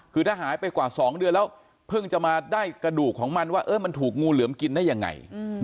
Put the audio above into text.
คือถ้าหายไปกว่า๒เดือนแล้วเพิ่งจะมาได้กระดูกของมันว่ามันถูกงูเหลือมกินได้ยังไง